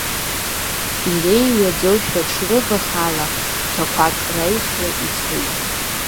Иреиҩаӡошәа аҽрывахала, ԥҭақәак раҩсуа ицоит.